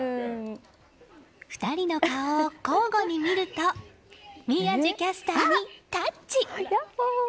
２人の顔を交互に見ると宮司キャスターにタッチ。